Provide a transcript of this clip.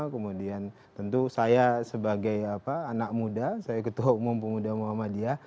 kemudian tentu saya sebagai anak muda saya ketua umum pemuda muhammadiyah